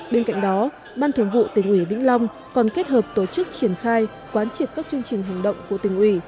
bên cạnh đó ban thường vụ tỉnh ủy vĩnh long còn kết hợp tổ chức triển khai quán triệt các chương trình hành động của tỉnh ủy